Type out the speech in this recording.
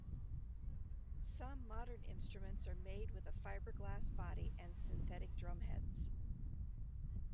Some modern instruments are made with a fibreglass body and synthetic drumheads.